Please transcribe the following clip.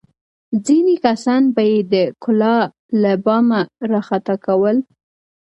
ځینې کسان به یې د کلا له بامه راخطا کول.